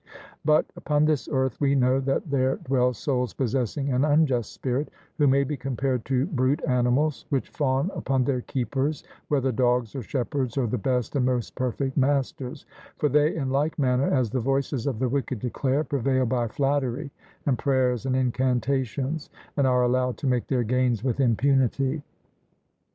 But upon this earth we know that there dwell souls possessing an unjust spirit, who may be compared to brute animals, which fawn upon their keepers, whether dogs or shepherds, or the best and most perfect masters; for they in like manner, as the voices of the wicked declare, prevail by flattery and prayers and incantations, and are allowed to make their gains with impunity.